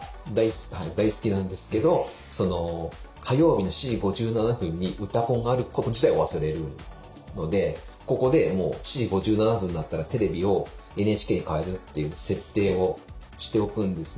大好きなんですけど火曜日の７時５７分に「うたコン」があること自体忘れるのでここでもう７時５７分になったらテレビをＮＨＫに替えるっていう設定をしておくんですよ。